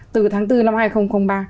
từ tháng bốn năm hai nghìn ba